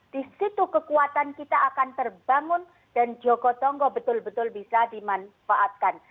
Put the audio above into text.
di situ kekuatan kita akan terbangun dan joko tonggo betul betul bisa dimanfaatkan